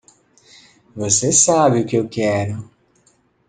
Você sabe o que eu quero.